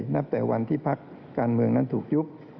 นับแต่วันที่พักการเมืองนั้นถูกยุบ